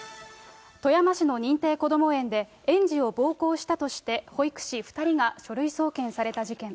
富山市の認定こども園で、園児を暴行したとして、保育士２人が書類送検された事件。